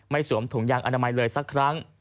สวมถุงยางอนามัยเลยสักครั้ง